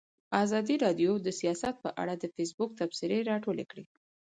ازادي راډیو د سیاست په اړه د فیسبوک تبصرې راټولې کړي.